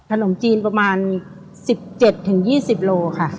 ขนมจีนประมาณ๑๗๒๐โลค่ะ